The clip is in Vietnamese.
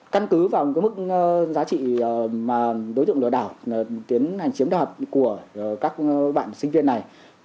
căn cứ vào cái mức giá trị mà đối tượng lừa đảo tiến hành chiếm đoạt của các bạn sinh viên này